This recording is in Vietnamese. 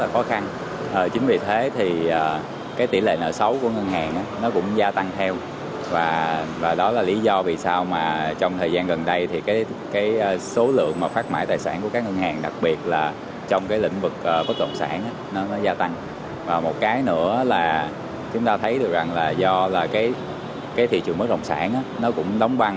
chúng ta thấy được rằng là do là cái thị trường bất động sản nó cũng đóng băng